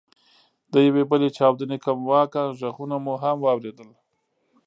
د یوې بلې چاودنې کمواکه ږغونه مو هم واورېدل.